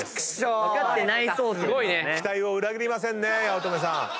期待を裏切りません八乙女さん。